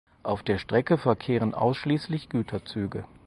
Auf der Strecke verkehren ausschließlich Güterzüge.